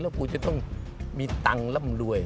แล้วกูจะต้องมีตังค์ร่ำรวย